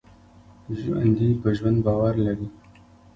ژوندي په ژوند باور لري